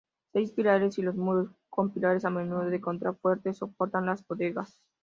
Seis pilares y los muros con pilares a modo de contrafuertes soportan las bóvedas.